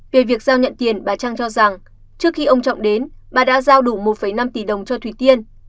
về việc giao nhận tiền bà trang cho rằng trước khi ông trọng đến bà đã giao đủ một năm tỷ đồng cho thủy tiên